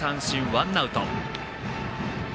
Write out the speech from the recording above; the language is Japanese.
ワンアウト。